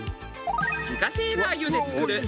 自家製ラー油で作る四川